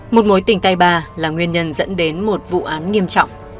một mối tình tay ba là nguyên nhân dẫn đến một vụ án nghiêm trọng